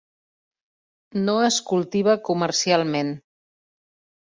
No es cultiva comercialment.